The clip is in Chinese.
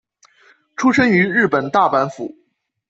出身于日本大阪府。